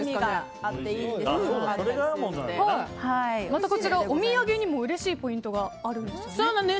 また、こちらはお土産にもうれしいポイントがあるんですよね。